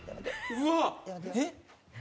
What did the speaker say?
うわあ！えっ？